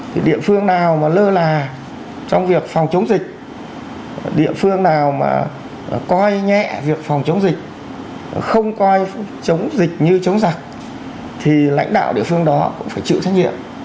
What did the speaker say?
thì địa phương nào mà lơ là trong việc phòng chống dịch địa phương nào mà coi nhẹ việc phòng chống dịch không coi chống dịch như chống giặc thì lãnh đạo địa phương đó cũng phải chịu trách nhiệm